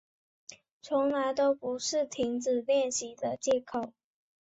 从来都不是停止练习的借口